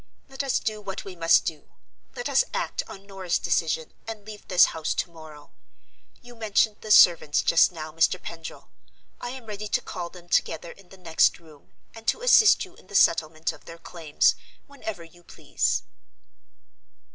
Let us do what we must do; let us act on Norah's decision, and leave this house to morrow. You mentioned the servants just now, Mr. Pendril: I am ready to call them together in the next room, and to assist you in the settlement of their claims, whenever you please."